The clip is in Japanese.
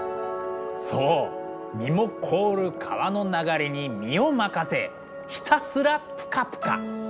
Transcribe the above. そう身も凍る川の流れに身を任せひたすらプカプカ。